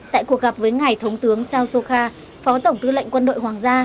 tại cuộc gặp với ngài thống tướng sao sokha phó tổng tư lệnh quân đội hoàng gia